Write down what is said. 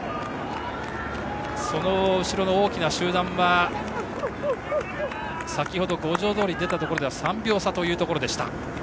その後ろの大きな集団は先程、五条通に出たところでは３秒差というところでした。